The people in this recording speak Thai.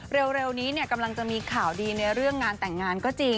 เร็วนี้กำลังจะมีข่าวดีในเรื่องงานแต่งงานก็จริง